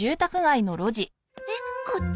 えっこっち？